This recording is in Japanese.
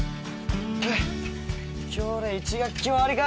今日で１学期も終わりか。